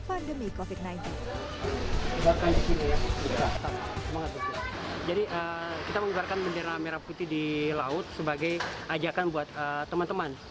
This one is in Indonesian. pandemi kofit sembilan belas jadi kita mengeluarkan bendera merah putih di laut sebagai ajakan buat teman teman